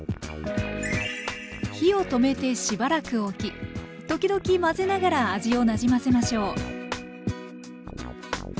火を止めてしばらく置き時々混ぜながら味をなじませましょう。